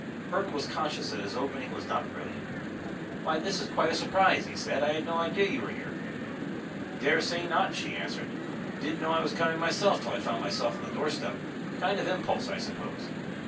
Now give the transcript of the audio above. Burton was conscious that his opening was not brilliant. "Why, this is quite a surprise!" he said. "I had no idea you were here." "Dare say not," she answered. "Didn't know I was coming myself till I found myself on the doorstep. Kind of impulse, I suppose.